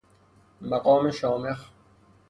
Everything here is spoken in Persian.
مقام شامخ